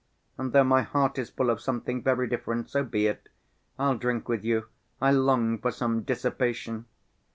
And though my heart is full of something very different, so be it, I'll drink with you. I long for some dissipation."